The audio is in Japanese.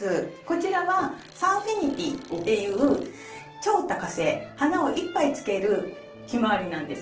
こちらはサンフィニティっていう超多花性花をいっぱいつけるヒマワリなんですね。